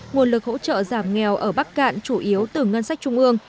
nguồn lực hỗ trợ giảm nghèo ở bắc cạn chủ yếu từ ngân sách trung ương